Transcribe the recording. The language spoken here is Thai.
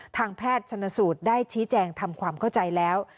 ทางแพทย์ชนสูตรได้ชี้แจงทำความเข้าใจแล้ว